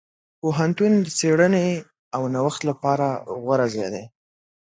پوهنتون د څېړنې او نوښت لپاره غوره ځای دی.